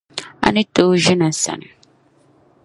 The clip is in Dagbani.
A ni tooi ʒini n sani .